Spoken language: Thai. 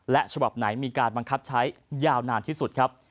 และฉบับไหนมีการบังคับใช้ยาวนานที่สุดครับ